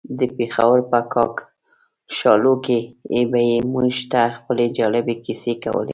د پېښور په کاکشالو کې به يې موږ ته خپلې جالبې کيسې کولې.